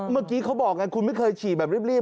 เมื่อกี้เขาบอกไงคุณไม่เคยฉีดแบบรีบ